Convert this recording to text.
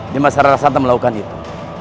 nirmasara rasantan melakukan itu